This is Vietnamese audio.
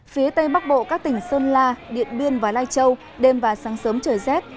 phía tây bắc bộ các tỉnh sơn la điện biên và lai châu đêm và sáng sớm trời rét